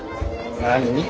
何？